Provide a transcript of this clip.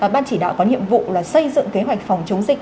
ban chỉ đạo có nhiệm vụ là xây dựng kế hoạch phòng chống dịch